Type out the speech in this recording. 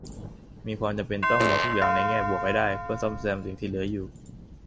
มีความจำเป็นต้องมองทุกอย่างในแง่บวกให้ได้เพื่อซ่อมแซมสิ่งที่เหลืออยู่